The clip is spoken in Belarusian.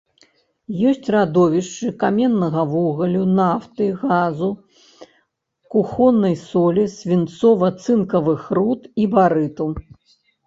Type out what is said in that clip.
Ёсць радовішчы каменнага вугалю, нафты, газу, кухоннай солі, свінцова-цынкавых руд і барыту.